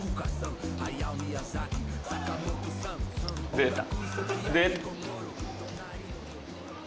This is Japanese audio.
出た！